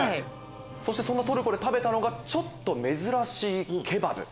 そしてそんなトルコで食べたのがちょっと珍しいケバブ。